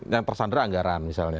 yang tersandar anggaran misalnya